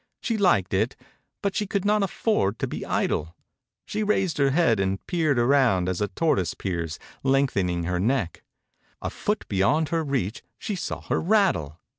She liked it but she could not afford to be idle. She raised her head and peered around, as a tortoise peers, lengthening her neck. A foot be yond her reach she saw her rattle.